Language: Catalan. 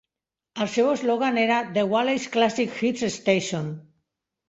El seu eslògan era The Valley's Classic Hits Station.